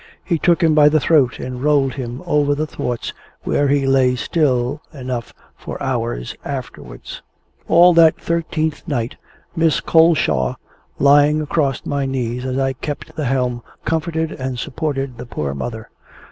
He took him by the throat and rolled him under the thwarts, where he lay still enough for hours afterwards. All that thirteenth night, Miss Coleshaw, lying across my knees as I kept the helm, comforted and supported the poor mother.